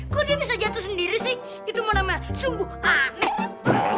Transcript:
kok dia bisa jatuh sendiri sih itu mau namanya sungguh aneh